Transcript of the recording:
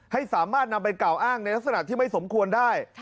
ให้สามารถนำไปกล่าวอ้างในลักษณะที่ไม่สมควรได้